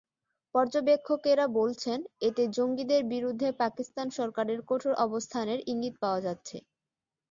পর্যবেক্ষকেরা বলছেন, এতে জঙ্গিদের বিরুদ্ধে পাকিস্তান সরকারের কঠোর অবস্থানের ইঙ্গিত পাওয়া যাচ্ছে।